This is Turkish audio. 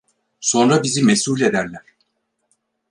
Sonra bizi mesul ederler!